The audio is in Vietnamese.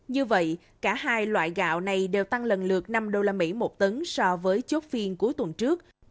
như vậy cả hai loại gạo này đều tăng lần lượt năm usd một tấn so với chốt phiên cuối tuần trước